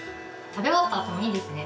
食べ終わったあともいいですよね。